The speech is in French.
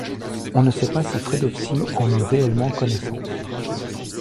On ne sait pas si Ferdowsi en eut réellement connaissance.